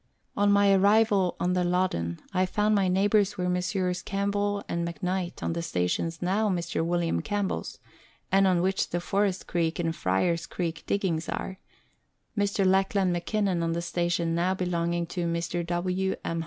On my arrival on the Loddon I found my neighbours were Messrs. Campbell and McKnight on the stations now Mr. Wm. Campbell's, and on which the Forest Creek and Fryer's Creek diggings are ; Mr. Lachlan Mackinnon on the station now belonging to Mr. W. M.